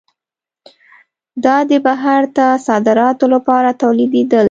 دا د بهر ته صادراتو لپاره تولیدېدل.